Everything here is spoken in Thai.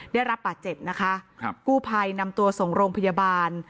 ได้รับบาดเจ็บนะคะครับกู้ภัยนำตัวส่งโรงพยาบาล